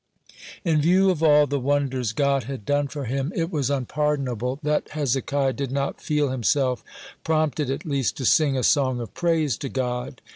(66) In view of all the wonders God had done for him, it was unpardonable that Hezekiah did not feel himself prompted at least to sing a song of praise to God.